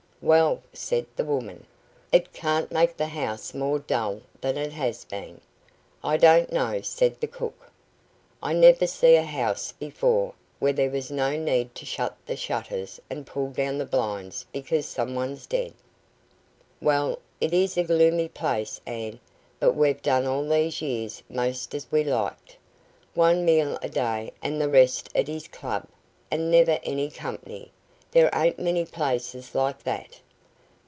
"Well," said the woman, "it can't make the house more dull than it has been." "I don't know," said the cook. "I never see a house before where there was no need to shut the shutters and pull down the blinds because some one's dead." "Well, it is a gloomy place, Ann, but we've done all these years most as we liked. One meal a day and the rest at his club, and never any company. There ain't many places like that."